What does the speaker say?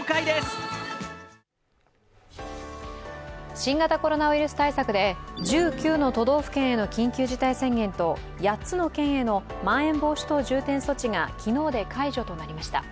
新型コロナウイルス対策で１９の都道府県への緊急事態宣言と８つの県へのまん延防止等重点措置が昨日で解除となりました。